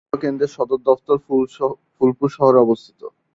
এই লোকসভা কেন্দ্রের সদর দফতর ফুলপুর শহরে অবস্থিত।